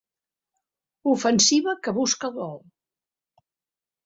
Ofensiva que busca el gol.